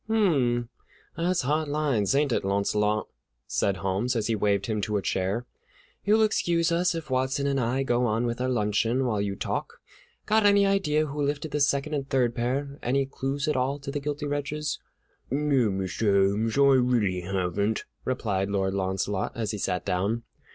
"Hum, that's hard lines, ain't it, Launcelot?" said Holmes, as he waved him to a chair; "you'll excuse us if Watson and I go on with our luncheon while you talk. Got any idea who lifted the second and third pair, any clues at all to the guilty wretches?" "No, Mr. Holmes; I really haven't," replied Lord Launcelot, as he sat down.